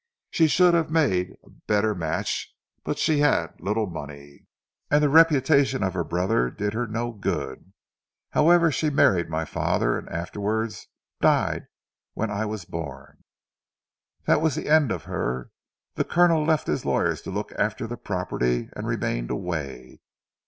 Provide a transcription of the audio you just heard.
She should have made a better match, but she had little money, and the reputation of her brother did her no good. However she married my father, and afterwards died when I was born. That was the end of her. The Colonel left his lawyers to look after the property, and remained away.